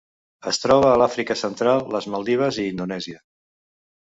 Es troba a l'Àfrica Oriental, les Maldives i Indonèsia.